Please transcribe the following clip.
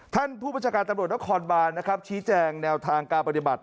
ท่านผู้บัญชาการตำรวจนครบานนะครับชี้แจงแนวทางการปฏิบัติ